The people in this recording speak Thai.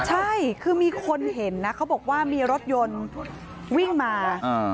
ใช่คือมีคนเห็นนะเขาบอกว่ามีรถยนต์วิ่งมา